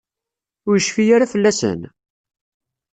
Ur yecfi ara fell-asen?